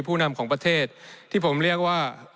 ผู้นำของประเทศที่ผมเรียกว่า